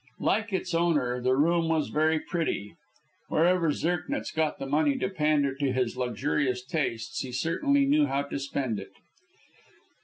Like its owner, the room was very pretty. Wherever Zirknitz got the money to pander to his luxurious tastes, he certainly knew how to spend it.